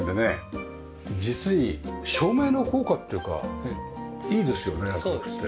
実に照明の効果っていうかいいですよね明るくて。